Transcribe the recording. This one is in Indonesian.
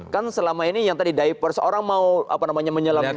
kan selama ini yang tadi diaper seorang mau apa namanya menyelam di situ